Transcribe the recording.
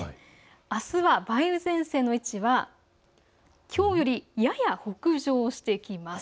あすは梅雨前線の位置はきょうよりやや北上してきます。